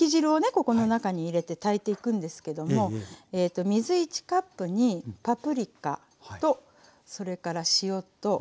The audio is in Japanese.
ここの中に入れて炊いていくんですけども水１カップにパプリカとそれから塩ととうがらし。